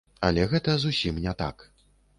Але гэта зусім не так.